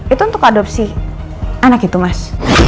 itu untuk adopsi anak itu mas